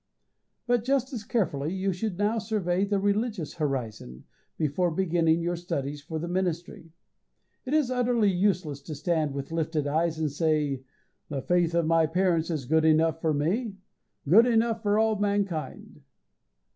But just as carefully you should now survey the religious horizon, before beginning your studies for the ministry. It is utterly useless to stand with lifted eyes and say, "The faith of my parents is good enough for me good enough for all mankind."